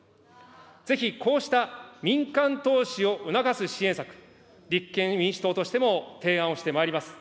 ぜひこうした民間投資を促す支援策、立憲民主党としても、提案をしてまいります。